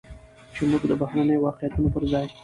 چې موږ د بهرنيو واقعيتونو پرځاى